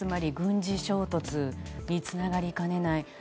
軍事衝突につながりかねない。